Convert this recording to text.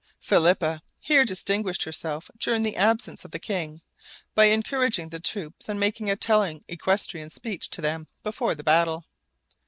Philippa here distinguished herself during the absence of the king, by encouraging the troops and making a telling equestrian speech to them before the battle.